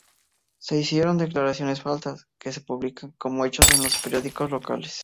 Se hicieron declaraciones falsas, que se publicaban como hechos en los periódicos locales.